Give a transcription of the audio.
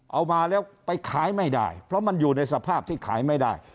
เอามาแล้วไปขายไม่ได้เพราะมันอยู่ในสภาพที่ขายไม่ได้